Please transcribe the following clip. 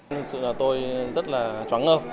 thật sự là tôi rất là chóng ngơ